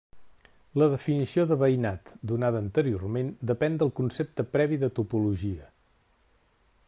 La definició de veïnat donada anteriorment depèn del concepte previ de topologia.